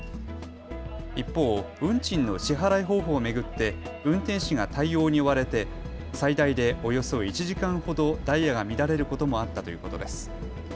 一方、運賃の支払い方法を巡って運転士が対応に追われて最大でおよそ１時間ほどダイヤが乱れることもあったということです。